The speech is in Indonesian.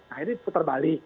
nah ini putar balik